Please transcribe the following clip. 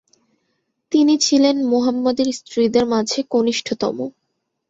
তিনি ছিলেন মুহাম্মাদের স্ত্রীদের মাঝে কনিষ্ঠতম।